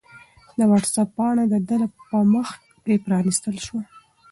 د وټس-اپ پاڼه د ده په مخ کې پرانستل شوې وه.